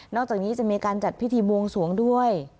อกจากนี้จะมีการจัดพิธีบวงสวงด้วย